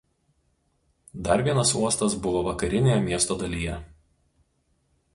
Dar vienas uostas buvo vakarinėje miesto dalyje.